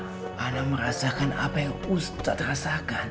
saya merasakan apa yang ustadz rasakan